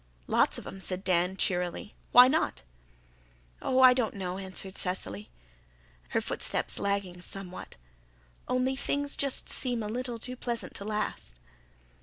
"Lots of 'em," said Dan cheerily. "Why not?" "Oh, I don't know," answered Cecily, her footsteps lagging somewhat. "Only things seem just a little too pleasant to last."